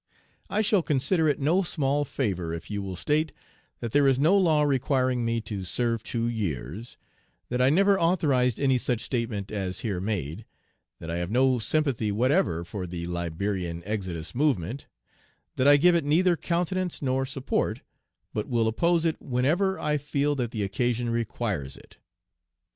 "'I shall consider it no small favor if you will state that there is no law requiring me to serve two years, that I never authorized any such statement as here made, that I have no sympathy whatever for the "Liberian Exodus" movement, that I give it neither countenance nor support, but will oppose it whenever I feel that the occasion requires it.